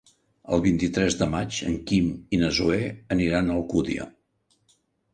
El vint-i-tres de maig en Quim i na Zoè aniran a Alcúdia.